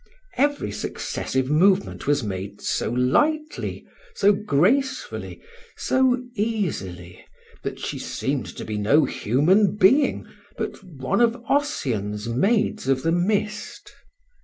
Every successive movement was made so lightly, so gracefully, so easily, that she seemed to be no human being, but one of Ossian's maids of the mist.